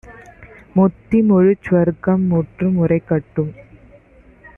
முத்தி முழுச்சுவர்க்கம் முற்றும் உரைக்கட்டும்.